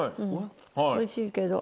おいしいけど。